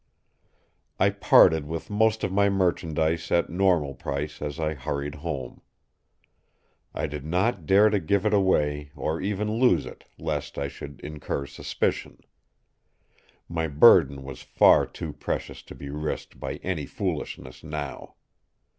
"I parted with most of my merchandise at normal price as I hurried home. I did not dare to give it away, or even lose it, lest I should incur suspicion. My burden was far too precious to be risked by any foolishness now.